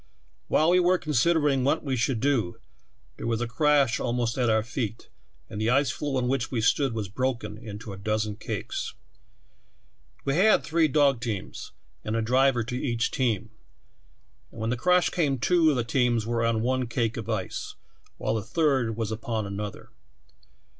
"While we were considering what we should do, there was a crash almost at our feet, and the ice floe on which we stood was broken into a dozen cakes. We had three dog teams and a driver to each team, and when the crash came two of the teams were on one cake of ice, while the third was upon another.